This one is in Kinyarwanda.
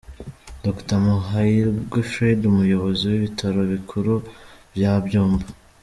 Dr Muhairwe Fred umuyobozi w’ibitaro bikuru bya Byumba.